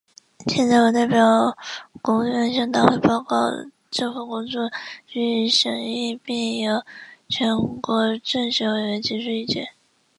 现在，我代表国务院，向大会报告政府工作，请予审议，并请全国政协委员提出意见。